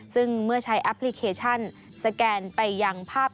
ซึ่งเมื่อใช้แอปพลิเคชันสแกนไปยังภาพ